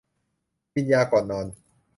กินยาก่อนนอน